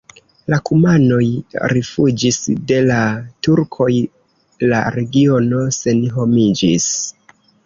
La kumanoj rifuĝis de la turkoj, la regiono senhomiĝis.